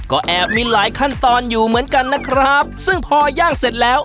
ก็แอบมีหลายขั้นตอนอยู่เหมือนกันนะครับซึ่งพอย่างเสร็จแล้ว